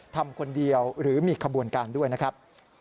ทำคนเดียวหรือมีขบวนการด้วยนะครับ